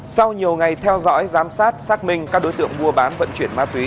sau nhiều ngày theo dõi giám sát xác minh các đối tượng mua bán vận chuyển ma túy